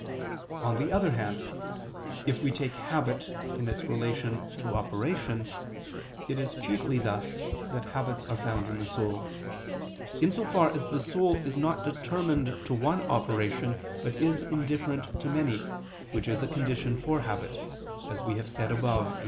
On the other hand, if we take habit in its relation to operation, it is chiefly thus that habits are found in the soul: in so far as the soul is not determined to one operation, but is indifferent to many, which is a condition for a habit, as we have said above (Q.